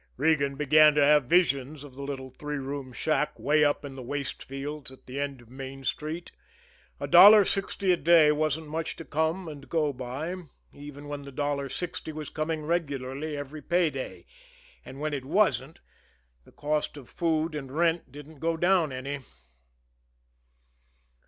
Regan began to have visions of the little three room shack way up in the waste fields at the end of Main Street. A dollar sixty a day wasn't much to come and go on, even when the dollar sixty was coming regularly every pay day and when it wasn't, the cost of food and rent didn't go down any.